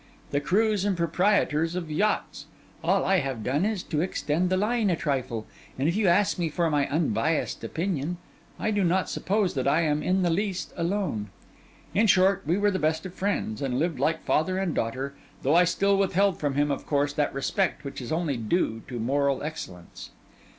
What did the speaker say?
The crews and the proprietors of yachts. All I have done is to extend the line a trifle, and if you ask me for my unbiassed opinion, I do not suppose that I am in the least alone.' In short, we were the best of friends, and lived like father and daughter; though I still withheld from him, of course, that respect which is only due to moral excellence.